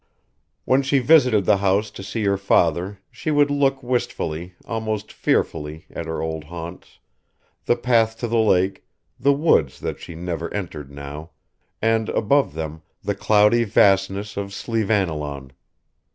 When she visited the house to see her father she would look wistfully, almost fearfully, at her old haunts; the path to the lake, the woods that she never entered now, and, above them, the cloudy vastness of Slieveannilaun.